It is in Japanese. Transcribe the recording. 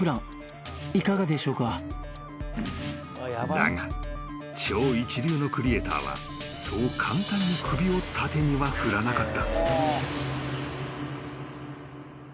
［だが超一流のクリエーターはそう簡単に首を縦には振らなかった］